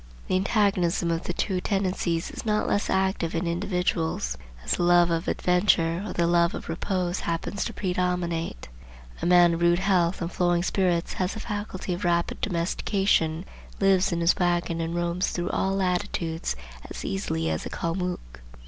The antagonism of the two tendencies is not less active in individuals, as the love of adventure or the love of repose happens to predominate. A man of rude health and flowing spirits has the faculty of rapid domestication, lives in his wagon and roams through all latitudes as easily as a Calmuc.